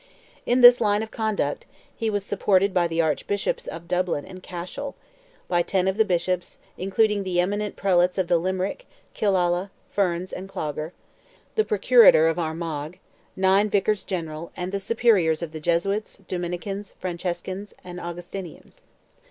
In this line of conduct, he was supported by the Archbishops of Dublin and Cashel, by ten of the Bishops, including the eminent Prelates of Limerick, Killalla, Ferns, and Clogher; the Procurator of Armagh; nine Vicars general, and the Superiors of the Jesuits, Dominicans, Franciscans, and Augustinians.